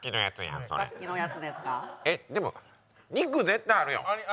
でも、肉絶対あるよ。